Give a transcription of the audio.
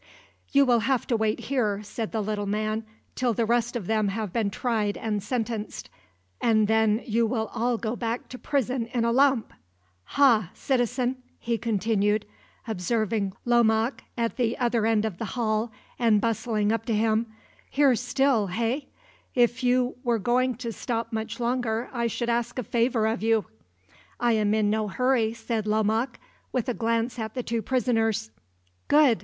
"You will have to wait here," said the little man, "till the rest of them have been tried and sentenced; and then you will all go back to prison in a lump. Ha, citizen," he continued, observing Lomaque at the other end of the hall, and bustling up to him. "Here still, eh? If you were going to stop much longer, I should ask a favor of you." "I am in no hurry," said Lomaque, with a glance at the two prisoners. "Good!"